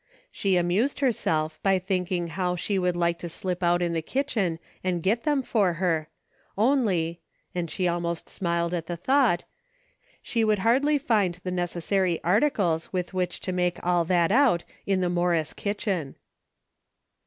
She amused herself by thinking how she would like to slip out in the kitchen and get them for her, only — and she almost smiled at the thought — she would hardly find the necessary articles with which to make all that out in the Morris kitchen.